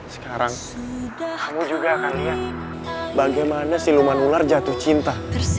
sekarang kamu juga akan lihat bagaimana si luman ular jatuh cinta